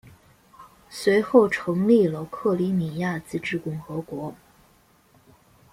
随后成立了克里米亚自治共和国。